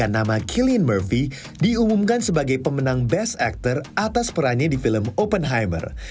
pilihan nama cillian murphy diumumkan sebagai pemenang best actor atas perannya di film oppenheimer